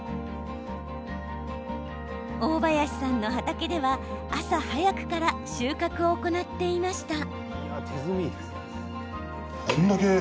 大林さんの畑では、朝早くから収穫を行っていました。